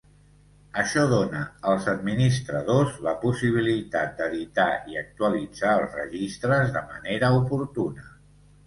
Això dona als administradors la possibilitat d'editar i actualitzar els registres de manera oportuna.